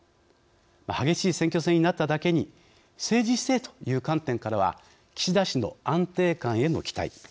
激しい選挙戦になっただけに政治姿勢という観点からは岸田氏の安定感への期待。